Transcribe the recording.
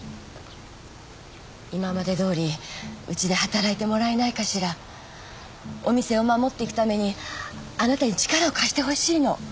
今までどおりうちで働いてもらえないお店を守っていくためにあなたに力を貸し